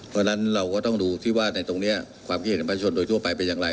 เพราะฉะนั้นเราก็ต้องดูที่ว่าในตรงนี้ความคิดเห็นของประชาชนโดยทั่วไปเป็นอย่างไร